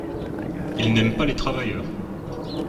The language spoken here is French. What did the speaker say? Ils n’aiment pas les travailleurs.